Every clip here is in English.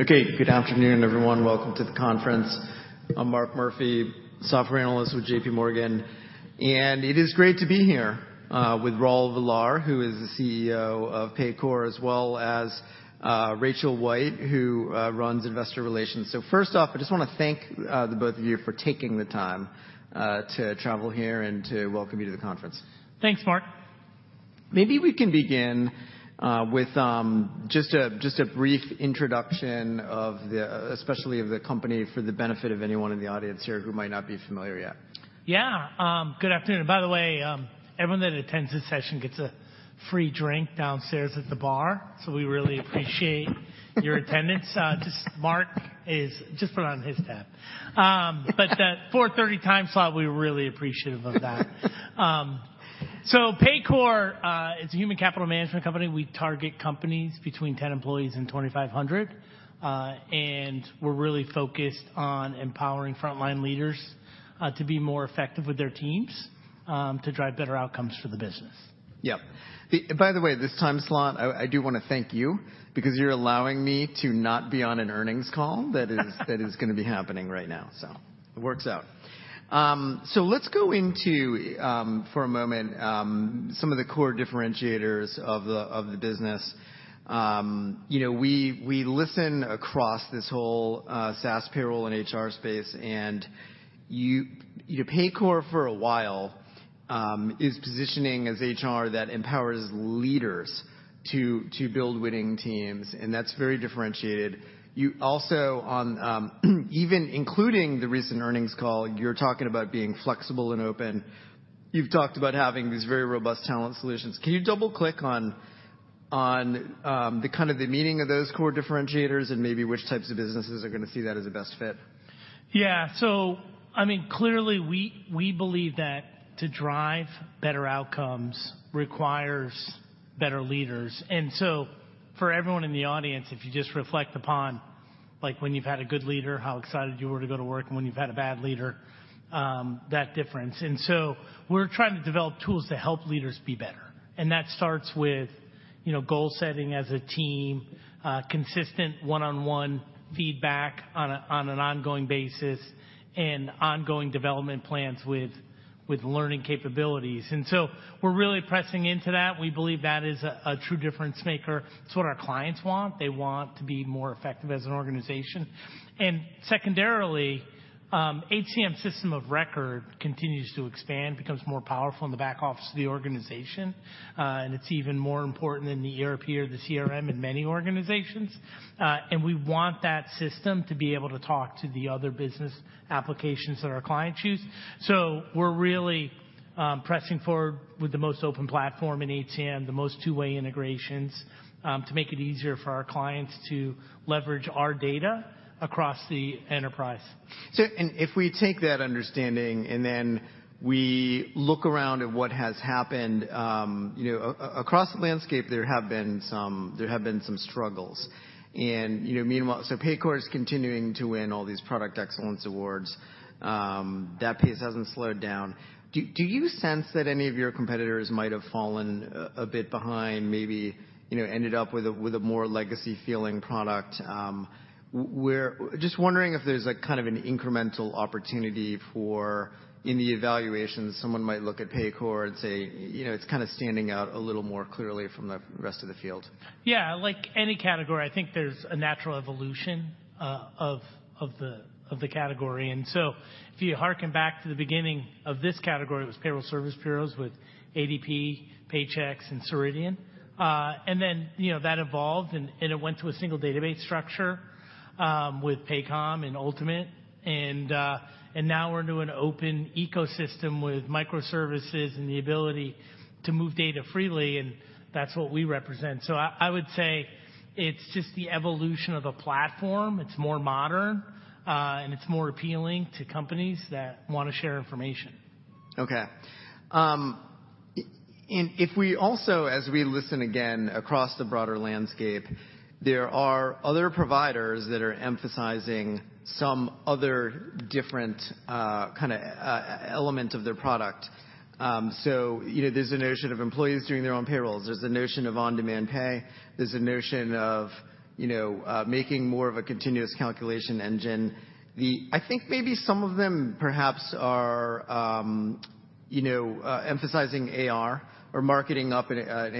Okay, good afternoon, everyone. Welcome to the conference. I'm Mark Murphy, software analyst with J.P. Morgan, and it is great to be here with Raul Villar, who is the CEO of Paycor, as well as Rachel White, who runs investor relations. So first off, I just want to thank the both of you for taking the time to travel here and to welcome you to the conference. Thanks, Mark. Maybe we can begin with just a brief introduction, especially of the company, for the benefit of anyone in the audience here who might not be familiar yet. Yeah, good afternoon. By the way, everyone that attends this session gets a free drink downstairs at the bar, so we really appreciate your attendance. Just put it on his tab. But the 4:30 P.M. time slot, we're really appreciative of that. So Paycor is a human capital management company. We target companies between 10 employees and 2,500, and we're really focused on empowering frontline leaders to be more effective with their teams, to drive better outcomes for the business. Yep. By the way, this time slot, I do want to thank you, because you're allowing me to not be on an earnings call—that is gonna be happening right now, so it works out. So let's go into, for a moment, some of the core differentiators of the business. You know, we listen across this whole SaaS, payroll, and HR space, and you know, Paycor for a while is positioning as HR that empowers leaders to build winning teams, and that's very differentiated. You also, on even including the recent earnings call, you're talking about being flexible and open. You've talked about having these very robust talent solutions. Can you double-click on the kind of the meaning of those core differentiators and maybe which types of businesses are going to see that as a best fit? Yeah, so I mean, clearly, we believe that to drive better outcomes requires better leaders. And so for everyone in the audience, if you just reflect upon, like, when you've had a good leader, how excited you were to go to work, and when you've had a bad leader, that difference. And so we're trying to develop tools to help leaders be better, and that starts with, you know, goal setting as a team, consistent one-on-one feedback on an ongoing basis, and ongoing development plans with learning capabilities. And so we're really pressing into that. We believe that is a true difference maker. It's what our clients want. They want to be more effective as an organization. Secondarily, HCM system of record continues to expand, becomes more powerful in the back office of the organization, and it's even more important than the ERP or the CRM in many organizations. And we want that system to be able to talk to the other business applications that our clients use. So we're really pressing forward with the most open platform in HCM, the most two-way integrations, to make it easier for our clients to leverage our data across the enterprise. If we take that understanding, and then we look around at what has happened, you know, across the landscape, there have been some struggles. And, you know, meanwhile, Paycor is continuing to win all these product excellence awards. That pace hasn't slowed down. Do you sense that any of your competitors might have fallen a bit behind, maybe, you know, ended up with a more legacy-feeling product? We're just wondering if there's, like, kind of an incremental opportunity for, in the evaluations, someone might look at Paycor and say, "You know, it's kind of standing out a little more clearly from the rest of the field. Yeah, like any category, I think there's a natural evolution of the category. And so if you harken back to the beginning of this category, it was payroll service bureaus with ADP, Paychex, and Ceridian. And then, you know, that evolved, and it went to a single database structure with Paycom and Ultimate. And now we're into an open ecosystem with microservices and the ability to move data freely, and that's what we represent. So I would say it's just the evolution of the platform. It's more modern, and it's more appealing to companies that want to share information. Okay. And if we also, as we listen again across the broader landscape, there are other providers that are emphasizing some other different, kind of, element of their product. So, you know, there's a notion of employees doing their own payrolls. There's the notion of on-demand pay. There's a notion of, you know, making more of a continuous calculation engine. I think maybe some of them perhaps are, you know, emphasizing AR or marketing up an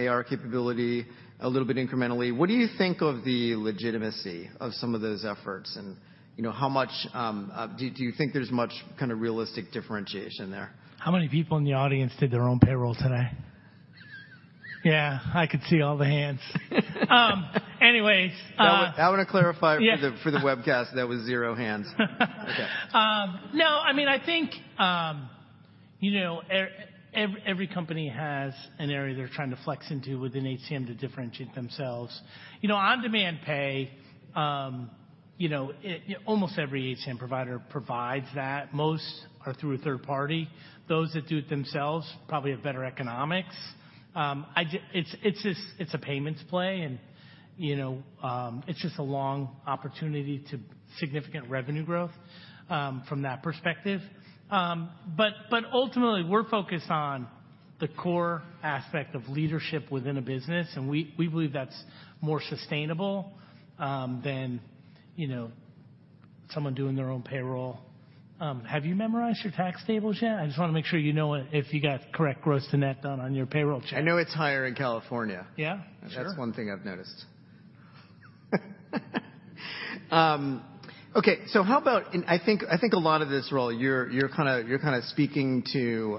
AR capability a little bit incrementally. What do you think of the legitimacy of some of those efforts? And, you know, how much... Do you think there's much kind of realistic differentiation there? How many people in the audience did their own payroll today? Yeah, I could see all the hands. Anyways, I want to clarify- Yeah For the webcast, that was zero hands. Okay. No, I mean, I think, you know, every company has an area they're trying to flex into within HCM to differentiate themselves. You know, on-demand pay, you know, almost every HCM provider provides that. Most are through a third party. Those that do it themselves probably have better economics. It's just, it's a payments play, and, you know, it's just a long opportunity to significant revenue growth, from that perspective. But ultimately, we're focused on the core aspect of leadership within a business, and we believe that's more sustainable, than, you know, someone doing their own payroll. Have you memorized your tax tables yet? I just wanna make sure you know it, if you got correct gross to net done on your payroll check. I know it's higher in California. Yeah, sure. That's one thing I've noticed. Okay, so how about... And I think, I think a lot of this, Raul, you're, you're kind of, you're kind of speaking to,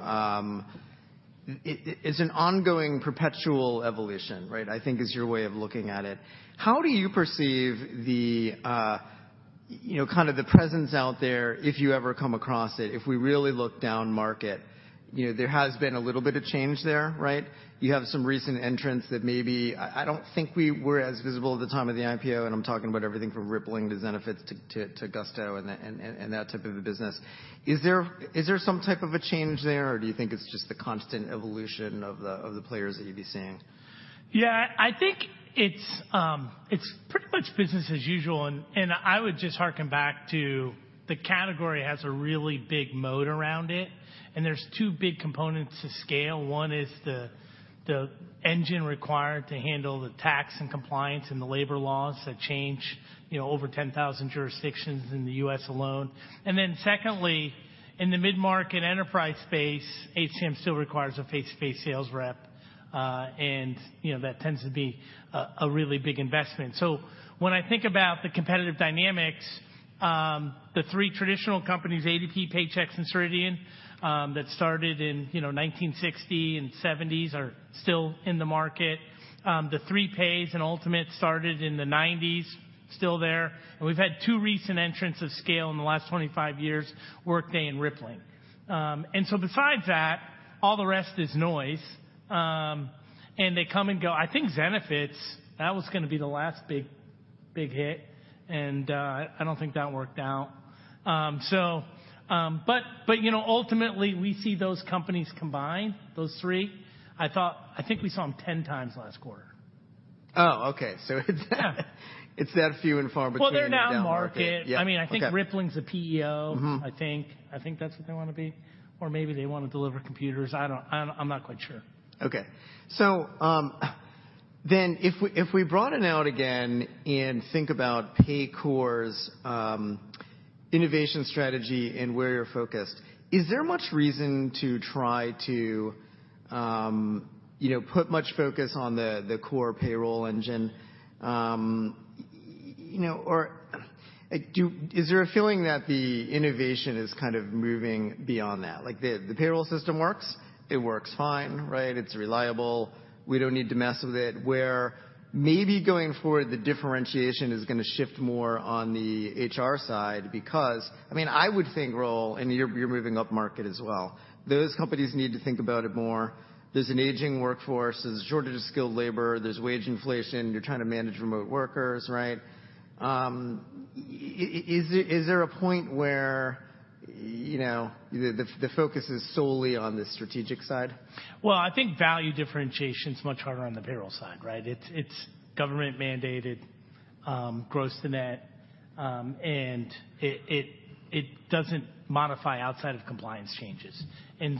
it, it's an ongoing, perpetual evolution, right? I think is your way of looking at it. How do you perceive the, you know, kind of the presence out there, if you ever come across it, if we really look down market? You know, there has been a little bit of change there, right? You have some recent entrants that maybe... I, I don't think we were as visible at the time of the IPO, and I'm talking about everything from Rippling to Zenefits to, to, to Gusto and that, and, and, and that type of a business. Is there some type of a change there, or do you think it's just the constant evolution of the players that you'd be seeing? Yeah, I think it's pretty much business as usual, and I would just harken back to the category has a really big moat around it, and there's 2 big components to scale. One is the engine required to handle the tax and compliance and the labor laws that change, you know, over 10,000 jurisdictions in the U.S. alone. And then secondly, in the mid-market enterprise space, HCM still requires a face-to-face sales rep, and, you know, that tends to be a really big investment. So when I think about the competitive dynamics, the three traditional companies, ADP, Paychex, and Ceridian, that started in, you know, 1960 and 1970s, are still in the market. The three pays and Ultimate started in the 1990s, still there. And we've had two recent entrants of scale in the last 25 years, Workday and Rippling. And so besides that, all the rest is noise. And they come and go. I think Zenefits, that was gonna be the last big, big hit, and I don't think that worked out. But, but, you know, ultimately, we see those companies combined, those three. I think we saw them 10 times last quarter. Oh, okay. So it's- Yeah. It's that few and far between. Well, they're down market. Yeah, okay. I mean, I think Rippling's a PEO. Mm-hmm. I think. I think that's what they wanna be, or maybe they want to deliver computers. I don't... I'm, I'm not quite sure. Okay. So, then if we, if we broaden out again and think about Paycor's innovation strategy and where you're focused, is there much reason to try to, you know, put much focus on the core payroll engine? You know, or, is there a feeling that the innovation is kind of moving beyond that? Like, the payroll system works, it works fine, right? It's reliable. We don't need to mess with it. Where maybe going forward, the differentiation is gonna shift more on the HR side because... I mean, I would think, Raul, and you're moving upmarket as well, those companies need to think about it more. There's an aging workforce, there's a shortage of skilled labor, there's wage inflation, you're trying to manage remote workers, right? Is there, is there a point where, you know, the focus is solely on the strategic side? Well, I think value differentiation is much harder on the payroll side, right? It's government-mandated, gross to net, and it doesn't modify outside of compliance changes.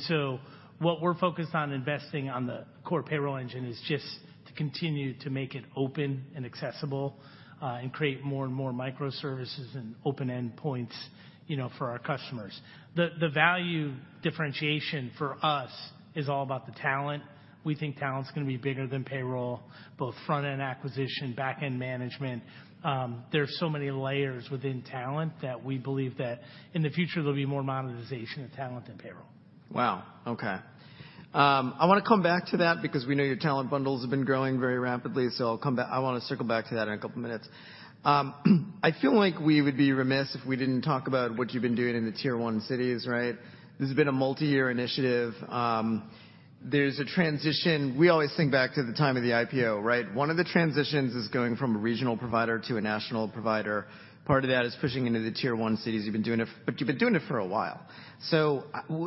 So what we're focused on investing on the core payroll engine is just to continue to make it open and accessible, and create more and more microservices and open endpoints, you know, for our customers. The value differentiation for us is all about the talent. We think talent's gonna be bigger than payroll, both front-end acquisition, back-end management. There are so many layers within talent that we believe that in the future, there'll be more monetization of talent than payroll. Wow, okay. I want to come back to that because we know your talent bundles have been growing very rapidly, so I'll come back—I want to circle back to that in a couple minutes. I feel like we would be remiss if we didn't talk about what you've been doing in the Tier One cities, right? This has been a multi-year initiative. There's a transition. We always think back to the time of the IPO, right? One of the transitions is going from a regional provider to a national provider. Part of that is pushing into the Tier One cities. You've been doing it, but you've been doing it for a while. So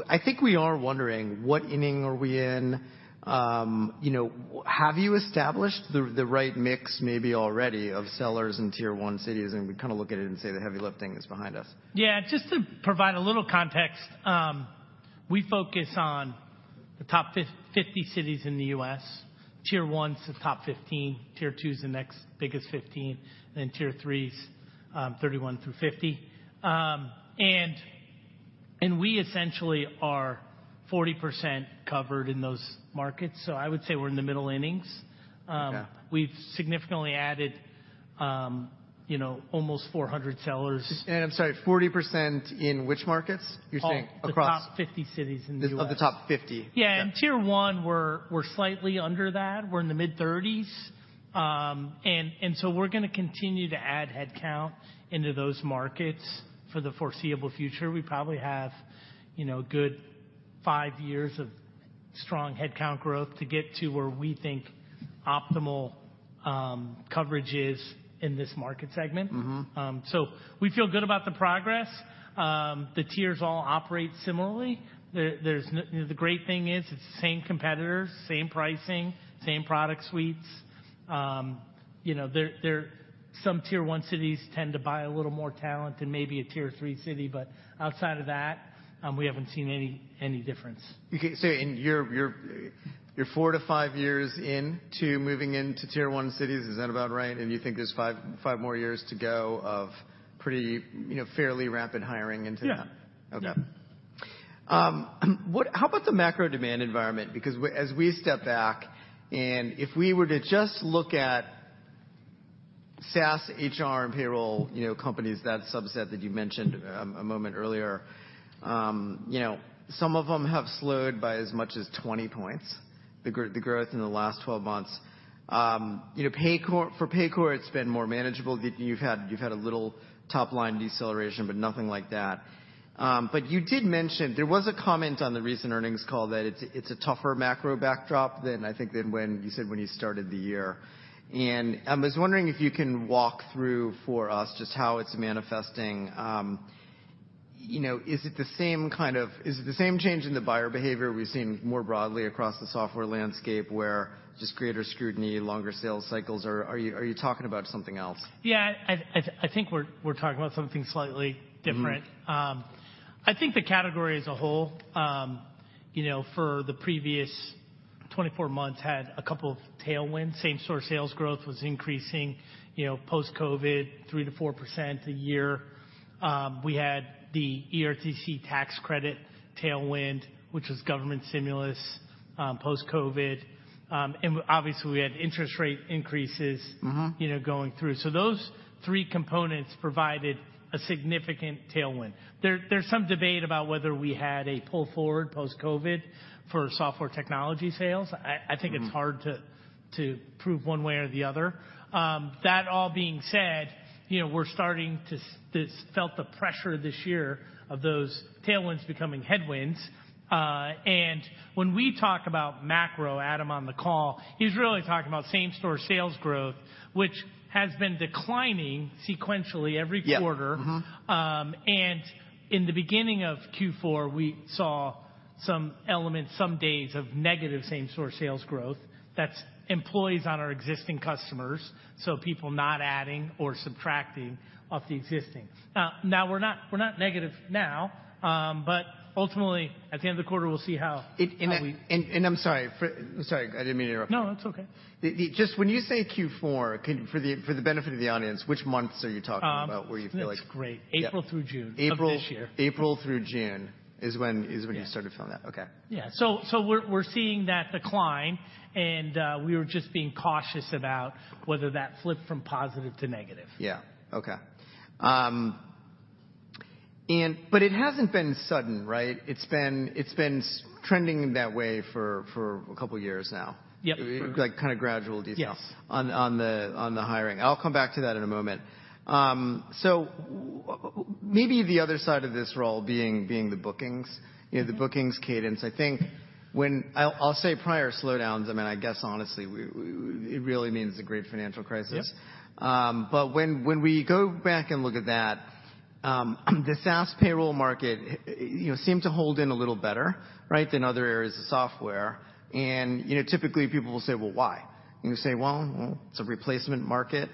I think we are wondering, what inning are we in? You know, have you established the right mix, maybe already, of sellers in Tier 1 cities, and we kind of look at it and say, "The heavy lifting is behind us? Yeah, just to provide a little context, we focus on the top 50 cities in the US. Tier One is the top 15, Tier Two is the next biggest 15, then Tier Three is 31 through 50. And we essentially are 40% covered in those markets, so I would say we're in the middle innings. Okay. We've significantly added, you know, almost 400 sellers. I'm sorry, 40% in which markets? You're saying across- All the top 50 cities in the U.S. Of the top 50. Yeah. Okay. In Tier One, we're slightly under that. We're in the mid-30s. And so we're gonna continue to add head count into those markets for the foreseeable future. We probably have, you know, a good 5 years of strong head count growth to get to where we think optimal coverage is in this market segment. So we feel good about the progress. The tiers all operate similarly. The great thing is, it's the same competitors, same pricing, same product suites. You know, some Tier One cities tend to buy a little more talent than maybe a Tier Three city, but outside of that, we haven't seen any difference. Okay, so you're 4-5 years in to moving into Tier One cities, is that about right? And you think there's 5 more years to go of pretty, you know, fairly rapid hiring into that? Yeah. Okay. Yeah. How about the macro demand environment? Because as we step back, and if we were to just look at SaaS, HR, and payroll, you know, companies, that subset that you mentioned, a moment earlier, you know, some of them have slowed by as much as 20 points, the growth in the last 12 months. You know, Paycor, for Paycor, it's been more manageable. You've had, you've had a little top-line deceleration, but nothing like that. But you did mention... There was a comment on the recent earnings call that it's, it's a tougher macro backdrop than, I think, than when you said when you started the year. I was wondering if you can walk through for us just how it's manifesting. You know, is it the same kind of - is it the same change in the buyer behavior we've seen more broadly across the software landscape, where just greater scrutiny, longer sales cycles, or are you, are you talking about something else? Yeah, I think we're talking about something slightly- Mm-hmm... different. I think the category as a whole, you know, for the previous 24 months, had a couple of tailwinds. Same-store sales growth was increasing, you know, post-COVID, 3%-4% a year. We had the ERTC tax credit tailwind, which was government stimulus, post-COVID. And obviously, we had interest rate increases- Mm-hmm... you know, going through. So those three components provided a significant tailwind. There, there's some debate about whether we had a pull forward post-COVID for software technology sales. Mm-hmm. I think it's hard to prove one way or the other. That all being said, you know, we're starting to feel the pressure this year of those tailwinds becoming headwinds. And when we talk about macro, Adam, on the call, he's really talking about same-store sales growth, which has been declining sequentially every quarter. Yeah. Mm-hmm. and in the beginning of Q4, we saw some elements, some days, of negative same-store sales growth. That's employees on our existing customers, so people not adding or subtracting off the existing. Now, we're not, we're not negative now, but ultimately, at the end of the quarter, we'll see how- It- -how we- I'm sorry for... Sorry, I didn't mean to interrupt. No, it's okay. Just when you say Q4, for the benefit of the audience, which months are you talking about, where you feel like- That's great. Yeah. April through June- April- of this year. April through June is when- Yeah. Is when you started feeling that. Okay. Yeah. So, we're seeing that decline, and we were just being cautious about whether that flipped from positive to negative. Yeah. Okay. It hasn't been sudden, right? It's been trending that way for a couple of years now. Yep. Like, kind of gradual decline- Yes... on the hiring. I'll come back to that in a moment. So maybe the other side of this role being the bookings, you know, the bookings cadence. I think when... I'll say prior slowdowns, I mean, I guess honestly, we it really means the great financial crisis. Yep. But when we go back and look at that, the SaaS payroll market, you know, seemed to hold in a little better, right, than other areas of software. And, you know, typically people will say, "Well, why?" And you say, "Well, well, it's a replacement market."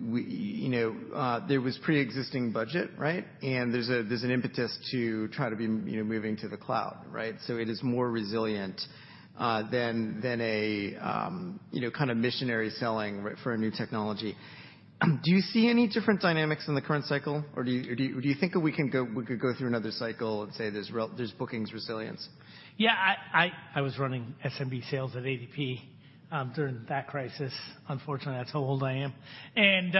We, you know, there was pre-existing budget, right? And there's an impetus to try to be, you know, moving to the cloud, right? So it is more resilient than a, you know, kind of missionary selling for a new technology. Do you see any different dynamics in the current cycle, or do you think that we could go through another cycle and say there's bookings resilience? Yeah, I was running SMB sales at ADP during that crisis. Unfortunately, that's how old I am. And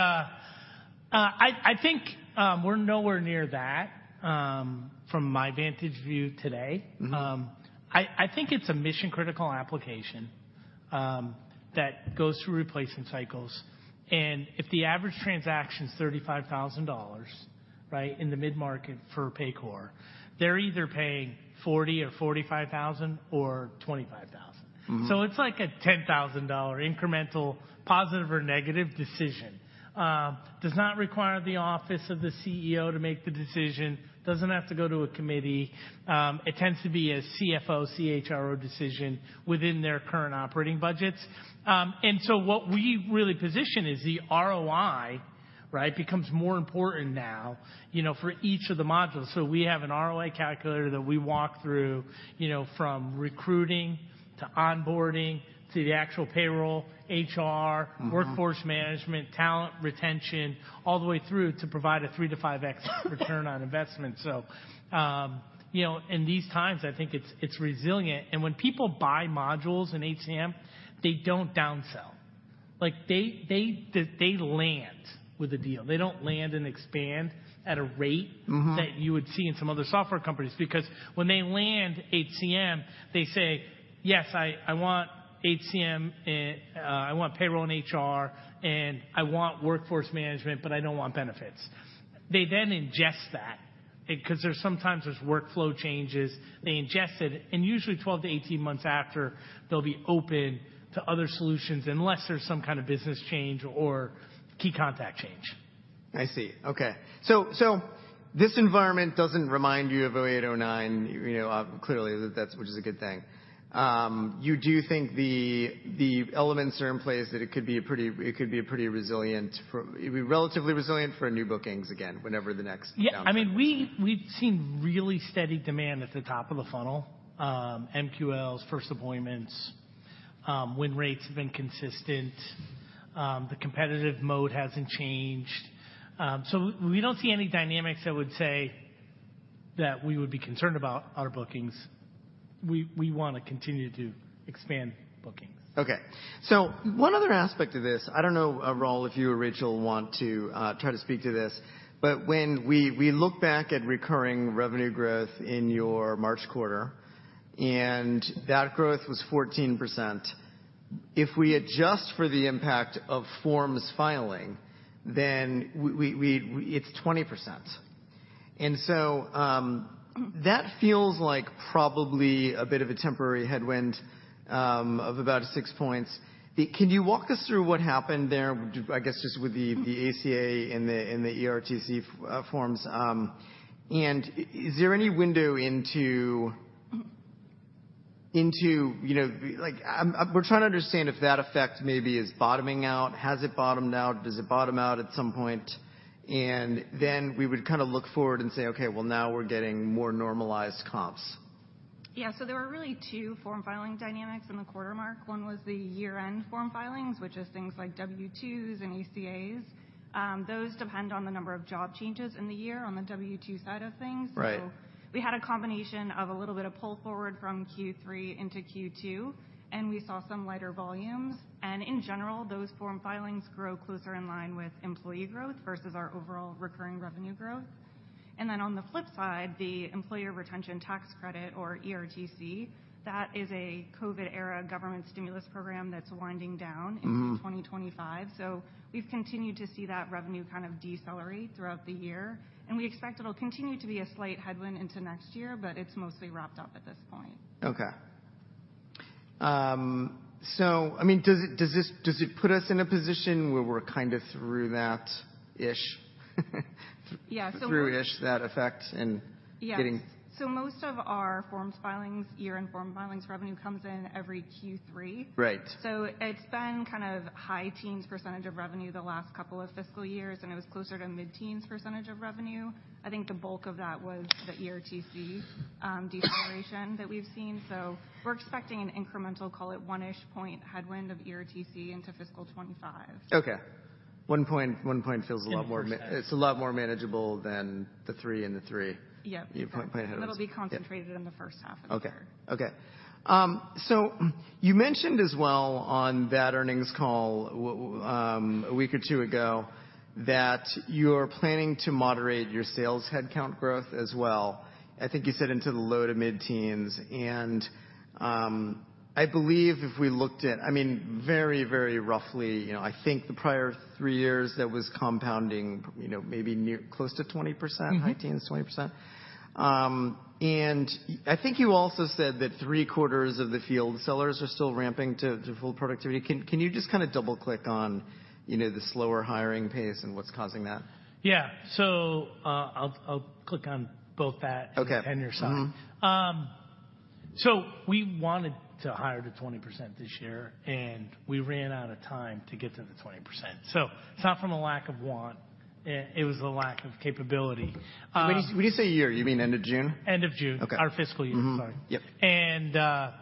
I think we're nowhere near that from my vantage view today. Mm-hmm. I think it's a mission-critical application that goes through replacement cycles, and if the average transaction is $35,000, right, in the mid-market for Paycor, they're either paying $40,000 or $45,000 or $25,000. Mm-hmm. So it's like a $10,000 incremental, positive or negative decision. Does not require the office of the CEO to make the decision, doesn't have to go to a committee. It tends to be a CFO, CHRO decision within their current operating budgets. And so what we really position is the ROI, right, becomes more important now, you know, for each of the modules. So we have an ROI calculator that we walk through, you know, from recruiting to onboarding to the actual payroll, HR- Mm-hmm ...workforce management, talent retention, all the way through to provide a 3-5x return on investment. So, you know, in these times, I think it's resilient. And when people buy modules in HCM, they don't downsell. Like, they land with a deal. They don't land and expand at a rate- Mm-hmm... that you would see in some other software companies. Because when they land HCM, they say, "Yes, I want HCM, I want payroll and HR, and I want workforce management, but I don't want benefits." They then ingest that because there's sometimes workflow changes, they ingest it, and usually 12-18 months after, they'll be open to other solutions unless there's some kind of business change or key contact change.... I see. Okay. So this environment doesn't remind you of 2008, 2009, you know, clearly that's, which is a good thing. You do think the elements are in place, that it could be a pretty resilient. It'd be relatively resilient for new bookings again, whenever the next- Yeah, I mean, we've seen really steady demand at the top of the funnel. MQLs, first appointments, win rates have been consistent. The competitive mode hasn't changed. So we don't see any dynamics that would say that we would be concerned about our bookings. We wanna continue to expand bookings. Okay. So one other aspect of this, I don't know, Raul, if you or Rachel want to try to speak to this, but when we look back at recurring revenue growth in your March quarter, and that growth was 14%. If we adjust for the impact of forms filing, then it's 20%. And so, that feels like probably a bit of a temporary headwind of about six points. Can you walk us through what happened there, I guess, just with the ACA and the ERTC forms? And is there any window into... You know, like, we're trying to understand if that effect maybe is bottoming out. Has it bottomed out? Does it bottom out at some point? And then we would kind of look forward and say, "Okay, well, now we're getting more normalized comps. Yeah, so there were really two form filing dynamics in the quarter, Mark. One was the year-end form filings, which is things like W-2s and ACAs. Those depend on the number of job changes in the year on the W-2 side of things. Right. So we had a combination of a little bit of pull forward from Q3 into Q2, and we saw some lighter volumes. And in general, those form filings grow closer in line with employee growth versus our overall recurring revenue growth. And then on the flip side, the Employee Retention Tax Credit, or ERTC, that is a COVID-era government stimulus program that's winding down- Mm-hmm. into 2025. So we've continued to see that revenue kind of decelerate throughout the year, and we expect it'll continue to be a slight headwind into next year, but it's mostly wrapped up at this point. Okay. So I mean, does this put us in a position where we're kind of through that ish? Yeah, so- this, that effect and getting- Yes. So most of our form filings, year-end form filings revenue comes in every Q3. Right. It's been kind of high-teens % of revenue the last couple of fiscal years, and it was closer to mid-teens % of revenue. I think the bulk of that was the ERTC deceleration that we've seen. We're expecting an incremental, call it one-ish point headwind of ERTC into fiscal 2025. Okay. One point, one point feels a lot more- In percent. It's a lot more manageable than the 3 and the 3. Yeah. You point ahead of us. It'll be concentrated in the first half of the year. Okay. Okay. So you mentioned as well on that earnings call a week or two ago, that you're planning to moderate your sales headcount growth as well, I think you said into the low to mid-teens. I believe if we looked at... I mean, very, very roughly, you know, I think the prior three years, that was compounding, you know, maybe near close to 20%- Mm-hmm. High teens, 20%. And I think you also said that three-quarters of the field sellers are still ramping to full productivity. Can you just kind of double-click on, you know, the slower hiring pace and what's causing that? Yeah. So, I'll click on both that- Okay. and your side. Mm-hmm. So we wanted to hire to 20% this year, and we ran out of time to get to the 20%. So it's not from a lack of want. It, it was a lack of capability. When you, when you say a year, you mean end of June? End of June. Okay. Our fiscal year, sorry. Mm-hmm.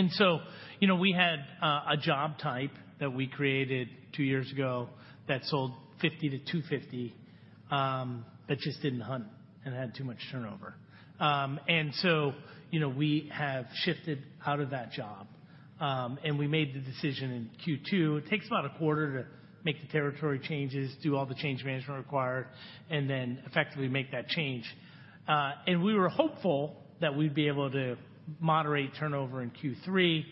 Yep. So, you know, we had a job type that we created two years ago that sold $50-$250, that just didn't hunt and had too much turnover. So, you know, we have shifted out of that job, and we made the decision in Q2. It takes about a quarter to make the territory changes, do all the change management required, and then effectively make that change. We were hopeful that we'd be able to moderate turnover in Q3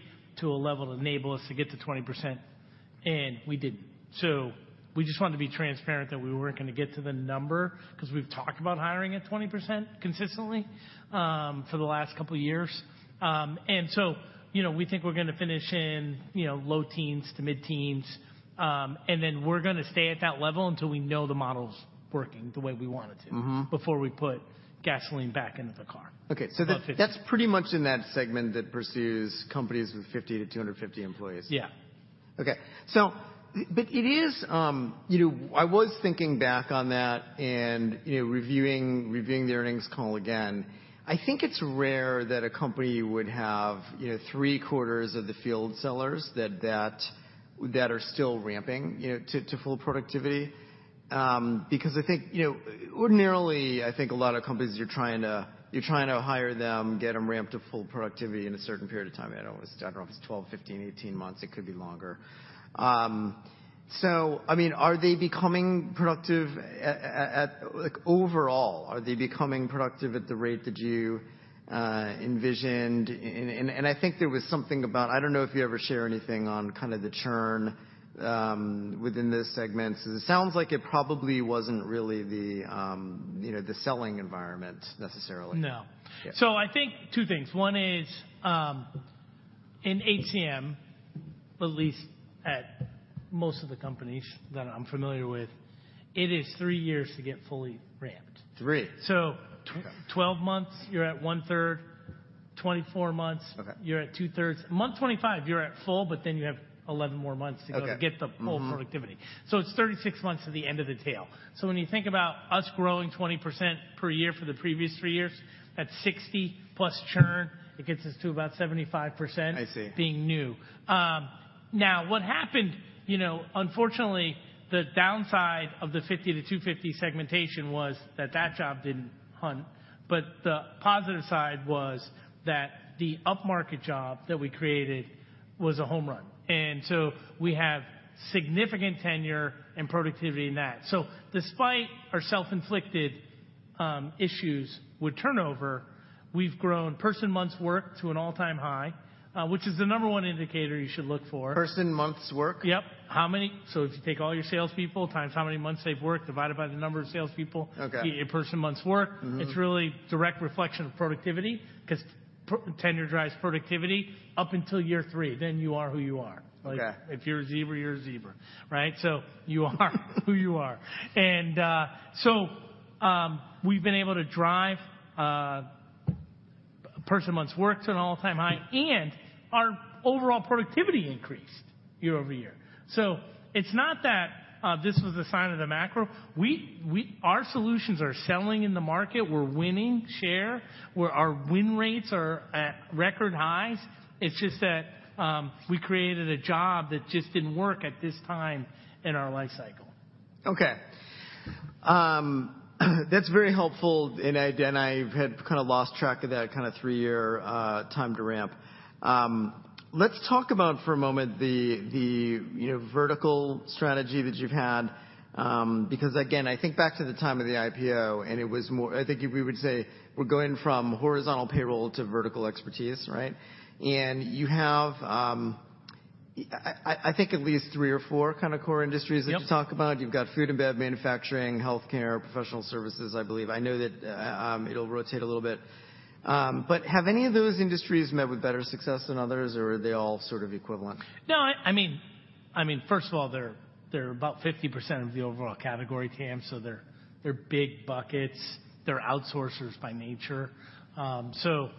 to a level to enable us to get to 20%, and we didn't. So we just wanted to be transparent that we weren't gonna get to the number, 'cause we've talked about hiring at 20% consistently, for the last couple of years. And so, you know, we think we're gonna finish in, you know, low teens to mid-teens, and then we're gonna stay at that level until we know the model's working the way we want it to- Mm-hmm. before we put gasoline back into the car. Okay. About 50. So that, that's pretty much in that segment that pursues companies with 50-250 employees? Yeah. Okay. So but it is, you know, I was thinking back on that and, you know, reviewing the earnings call again. I think it's rare that a company would have, you know, three-quarters of the field sellers that are still ramping, you know, to full productivity. Because I think, you know, ordinarily, I think a lot of companies, you're trying to hire them, get them ramped to full productivity in a certain period of time. I don't know if it's 12, 15, 18 months, it could be longer. So I mean, are they becoming productive at, like, overall, are they becoming productive at the rate that you envisioned? And I think there was something about... I don't know if you ever share anything on kind of the churn within this segment. It sounds like it probably wasn't really the, you know, the selling environment necessarily. No. Yeah. So I think two things. One is, in HCM, at least at most of the companies that I'm familiar with, it is three years to get fully ramped. Three? So- Okay. - 12 months, you're at one third. 24 months- Okay. You're at two-thirds. Month 25, you're at full, but then you have 11 more months- Okay. to go get the full productivity. Mm-hmm. So it's 36 months to the end of the tail. So when you think about us growing 20% per year for the previous 3 years, that's 60+ churn. It gets us to about 75%- I see. Being new. Now, what happened, you know, unfortunately, the downside of the 50-250 segmentation was that that job didn't hunt. But the positive side was that the upmarket job that we created was a home run, and so we have significant tenure and productivity in that. So despite our self-inflicted issues with turnover, we've grown person months worked to an all-time high, which is the number one indicator you should look for. Person months worked? Yep. How many-- So if you take all your salespeople times how many months they've worked, divided by the number of salespeople- Okay. - a person months worked. Mm-hmm. It's really a direct reflection of productivity, 'cause tenure drives productivity up until year three, then you are who you are. Okay. Like, if you're a zebra, you're a zebra, right? So you are who you are. And so, we've been able to drive person months worked to an all-time high, and our overall productivity increased year-over-year. So it's not that this was a sign of the macro. We, our solutions are selling in the market. We're winning share. We're, our win rates are at record highs. It's just that, we created a job that just didn't work at this time in our life cycle. Okay. That's very helpful, and I had kind of lost track of that kind of 3-year time to ramp. Let's talk about for a moment the you know, vertical strategy that you've had. Because again, I think back to the time of the IPO, and it was more... I think we would say we're going from horizontal payroll to vertical expertise, right? And you have, I think at least 3 or 4 kind of core industries- Yep. that you talk about. You've got food and bev, manufacturing, healthcare, professional services, I believe. I know that, it'll rotate a little bit. But have any of those industries met with better success than others, or are they all sort of equivalent? No, I mean, first of all, they're about 50% of the overall category, TAM, so they're big buckets. They're outsourcers by nature. So,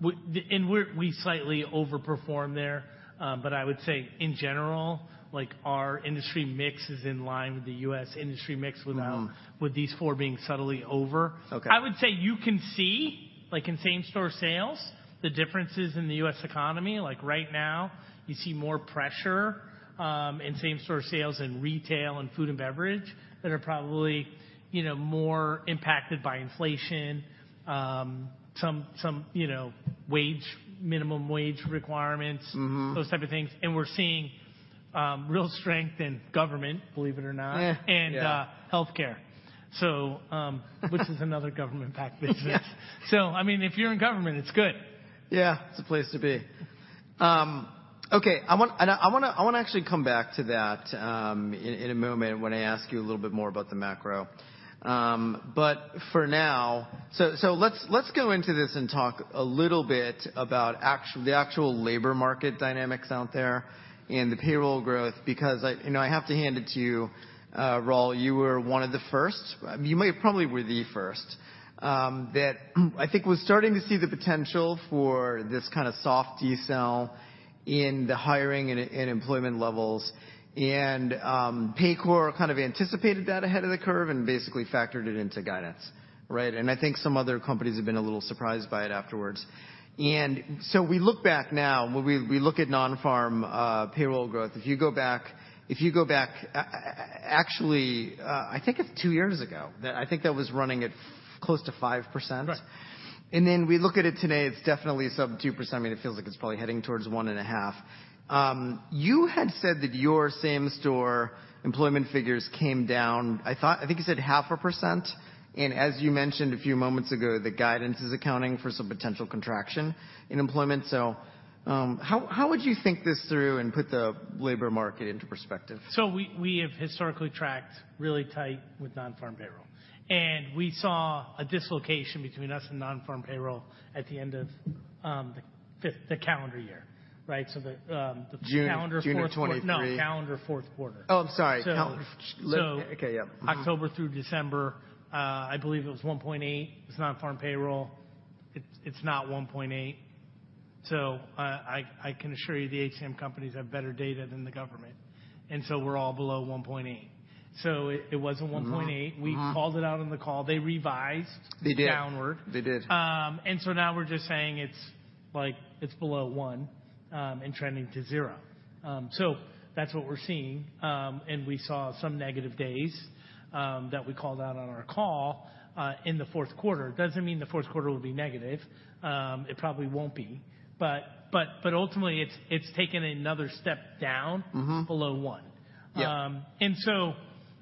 we slightly overperform there. But I would say in general, like, our industry mix is in line with the US industry mix without- Mm-hmm. - with these four being subtly over. Okay. I would say you can see, like in same-store sales, the differences in the U.S. economy. Like right now, you see more pressure in same-store sales in retail and food and beverage that are probably, you know, more impacted by inflation, some you know wage, minimum wage requirements- Mm-hmm. - those type of things. And we're seeing real strength in government, believe it or not- Yeah, yeah. and, healthcare. So, which is another government-backed business. Yeah. I mean, if you're in government, it's good. Yeah, it's the place to be. Okay, I wanna actually come back to that, in a moment when I ask you a little bit more about the macro. But for now... So, let's go into this and talk a little bit about the actual labor market dynamics out there and the payroll growth, because I... You know, I have to hand it to you, Raul, you were one of the first. You might have probably were the first, that I think was starting to see the potential for this kind of soft decel in the hiring and employment levels. And, Paycor kind of anticipated that ahead of the curve and basically factored it into guidance, right? And I think some other companies have been a little surprised by it afterwards. So we look back now, when we look at non-farm payroll growth, if you go back actually, I think it's two years ago, that I think that was running at close to 5%. Right. Then we look at it today, it's definitely sub 2%. I mean, it feels like it's probably heading towards 1.5%. You had said that your same-store employment figures came down, I think you said 0.5%. And as you mentioned a few moments ago, the guidance is accounting for some potential contraction in employment. So, how would you think this through and put the labor market into perspective? So we have historically tracked really tight with non-farm payroll, and we saw a dislocation between us and non-farm payroll at the end of the fifth, the calendar year, right? So the calendar fourth- June 23. No, calendar fourth quarter. Oh, I'm sorry. Cal- So- Okay, yeah. Mm-hmm. October through December, I believe it was 1.8. It's non-farm payroll. It's not 1.8. So I can assure you the HCM companies have better data than the government, and so we're all below 1.8. So it wasn't 1.8. Mm-hmm. Mm-hmm. We called it out on the call. They revised- They did. - downward. They did. And so now we're just saying it's like, it's below one, and trending to zero. So that's what we're seeing. And we saw some negative days, that we called out on our call, in the fourth quarter. Doesn't mean the fourth quarter will be negative, it probably won't be, but, but, but ultimately, it's taken another step down- Mm-hmm - below 1. Yeah. And so,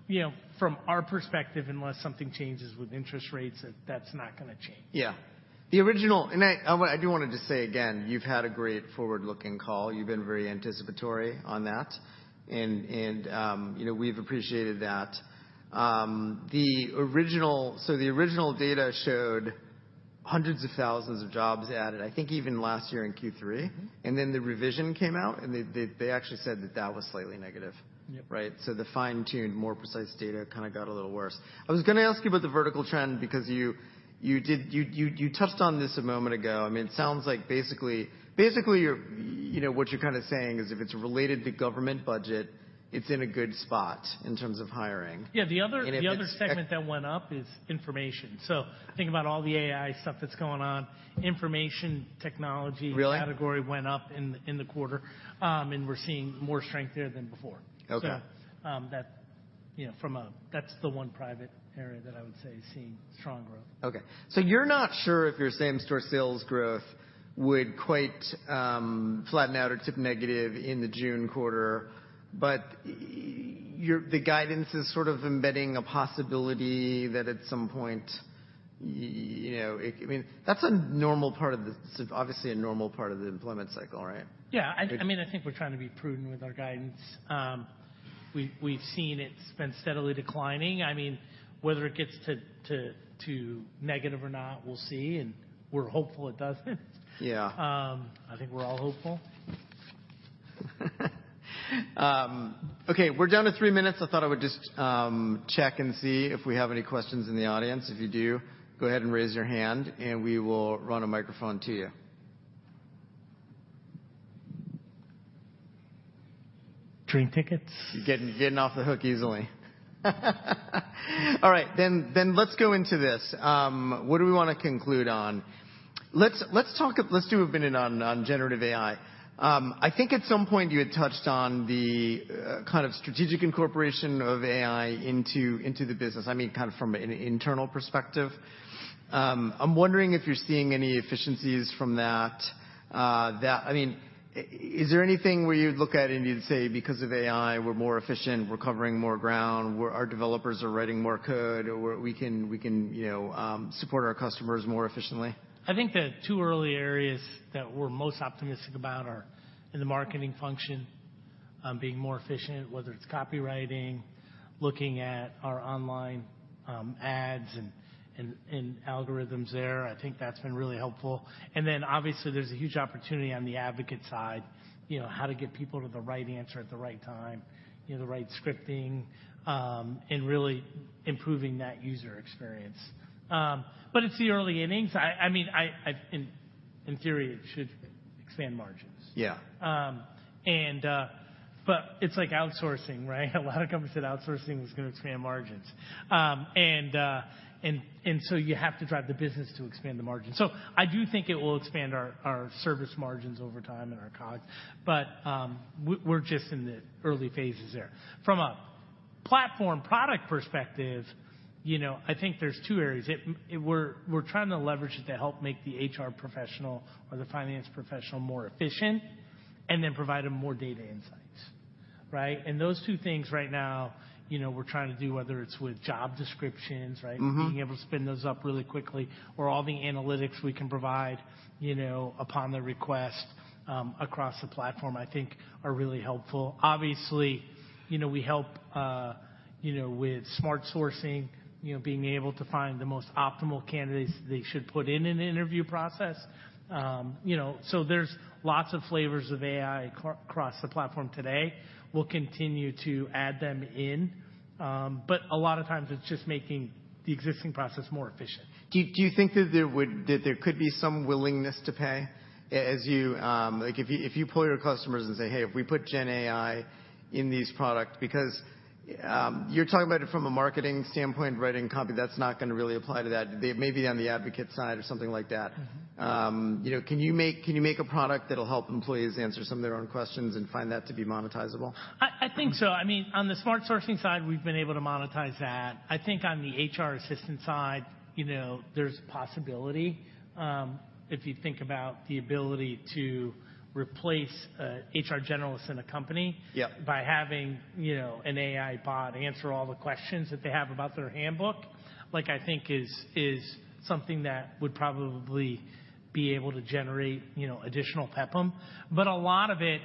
you know, from our perspective, unless something changes with interest rates, that's not gonna change. Yeah. And I do want to just say again, you've had a great forward-looking call. You've been very anticipatory on that, and you know, we've appreciated that. The original data showed hundreds of thousands of jobs added, I think even last year in Q3. Mm-hmm. Then the revision came out, and they actually said that that was slightly negative. Yep. Right? So the fine-tuned, more precise data kind of got a little worse. I was gonna ask you about the vertical trend because you did - you touched on this a moment ago. I mean, it sounds like basically, basically, you're - you know, what you're kind of saying is, if it's related to government budget, it's in a good spot in terms of hiring. Yeah, the other- And if it's- The other segment that went up is information. So think about all the AI stuff that's going on, information technology- Really? Category went up in the quarter. And we're seeing more strength there than before. Okay. So, you know, that's the one private area that I would say is seeing strong growth. Okay. So you're not sure if your same-store sales growth would quite flatten out or tip negative in the June quarter, but the guidance is sort of embedding a possibility that at some point, you know... I mean, that's a normal part of the, obviously, a normal part of the employment cycle, right? Yeah. It- I mean, I think we're trying to be prudent with our guidance. We've seen it's been steadily declining. I mean, whether it gets to negative or not, we'll see, and we're hopeful it doesn't. Yeah. I think we're all hopeful. Okay, we're down to three minutes. I thought I would just check and see if we have any questions in the audience. If you do, go ahead and raise your hand, and we will run a microphone to you. Train tickets? Getting off the hook easily. All right. Then let's go into this. What do we want to conclude on? Let's talk a minute on generative AI. I think at some point you had touched on the kind of strategic incorporation of AI into the business, I mean, kind of from an internal perspective. I'm wondering if you're seeing any efficiencies from that. That... I mean, is there anything where you'd look at it and you'd say, "Because of AI, we're more efficient, we're covering more ground, we're our developers are writing more code, or we're we can, we can, you know, support our customers more efficiently? I think the two early areas that we're most optimistic about are in the marketing function, being more efficient, whether it's copywriting, looking at our online, ads and algorithms there. I think that's been really helpful. And then, obviously, there's a huge opportunity on the advocate side. You know, how to get people to the right answer at the right time, you know, the right scripting, and really improving that user experience. But it's the early innings. I mean, in theory, it should expand margins. Yeah. But it's like outsourcing, right? A lot of companies said outsourcing was gonna expand margins. And so you have to drive the business to expand the margins. So I do think it will expand our service margins over time and our COGS, but we're just in the early phases there. From a platform product perspective, you know, I think there's two areas. We're trying to leverage it to help make the HR professional or the finance professional more efficient and then provide them more data insights, right? And those two things right now, you know, we're trying to do, whether it's with job descriptions, right? Mm-hmm. Being able to spin those up really quickly or all the analytics we can provide, you know, upon the request, across the platform, I think are really helpful. Obviously, you know, we help, you know, with Smart Sourcing, you know, being able to find the most optimal candidates they should put in an interview process. So there's lots of flavors of AI across the platform today. We'll continue to add them in, but a lot of times, it's just making the existing process more efficient. Do you think that there would, that there could be some willingness to pay as you... Like, if you pull your customers and say, "Hey, if we put Gen AI in these products" because you're talking about it from a marketing standpoint, writing copy, that's not gonna really apply to that. They may be on the advocate side or something like that. Mm-hmm. Mm-hmm. You know, can you make a product that'll help employees answer some of their own questions and find that to be monetizable? I think so. I mean, on the smart sourcing side, we've been able to monetize that. I think on the HR assistant side, you know, there's a possibility. If you think about the ability to replace HR generalists in a company- Yep -by having, you know, an AI bot answer all the questions that they have about their handbook, like, I think is, is something that would probably be able to generate, you know, additional PEPM. But a lot of it,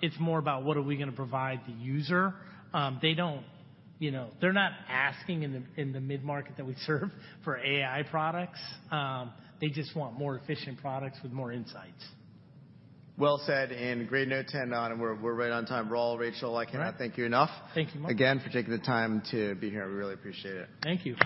it's more about what are we gonna provide the user. They don't, you know, they're not asking in the, in the mid-market that we serve for AI products. They just want more efficient products with more insights. Well said, and great note to end on, and we're right on time. Raul, Rachel All right I cannot thank you enough. Thank you much. Again, for taking the time to be here. I really appreciate it. Thank you.